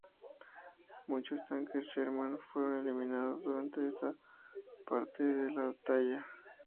Muchos tanques Sherman fueron eliminados durante esta parte de la batalla.